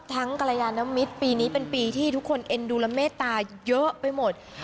กรยานมิตรปีนี้เป็นปีที่ทุกคนเอ็นดูและเมตตาเยอะไปหมด